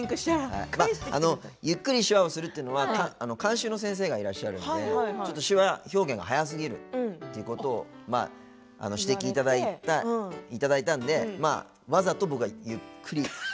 ゆっくり手話をするっていうのは監修の先生がいらっしゃるので手話表現が速すぎるというのを指摘いただいたのでわざと、僕はゆっくり。